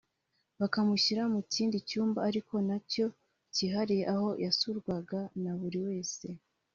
bakamushyira mu kindi cyumba (ariko na cyo cyihariye) aho yasurwa na buri wese